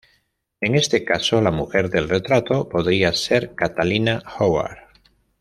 En ese caso la mujer del retrato podría ser Catalina Howard.